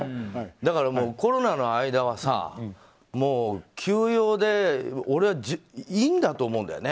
だからもう、コロナの間はさ休養で俺はいいんだと思うんだよね。